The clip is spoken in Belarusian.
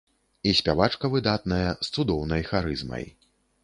І спявачка выдатная, з цудоўнай харызмай.